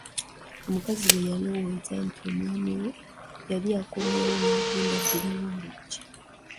Omukazi bwe yalowooza nti omwami we y'ali akomyewo n'agenda aggulewo oluggi.